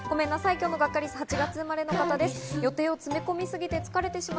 今日のガッカりす、８月生まれの方です。